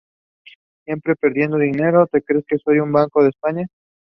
It is located in Gunnison County and in the Gunnison National Forest.